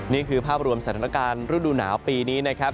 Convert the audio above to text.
นี่คือภาพรวมสถานการณ์รูดูหนาวปีนี้นะครับ